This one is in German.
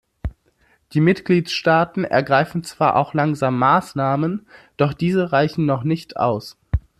Die Mitgliedstaaten ergreifen zwar auch langsam Maßnahmen, doch diese reichen noch nicht aus.